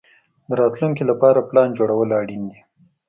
د راتلونکي لپاره پلان جوړول اړین دي.